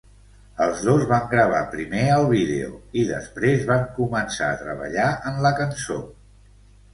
Els dos van gravar primer el vídeo i després van començar a treballar en la cançó.